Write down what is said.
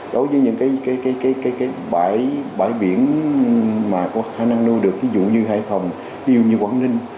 đối với những bãi biển có khả năng nuôi được ví dụ như hải phòng quảng ninh